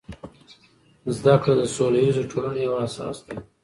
زده کړه د سوله ییزو ټولنو یو اساس دی.